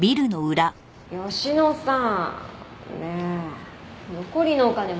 佳乃さんねえ残りのお金まだ？